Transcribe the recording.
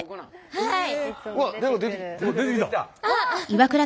はい。